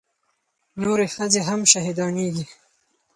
نورې ښځې هم شهيدانېږي.